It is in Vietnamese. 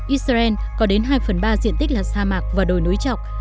israel có đến hai phần ba diện tích là sa mạc và đồi núi trọc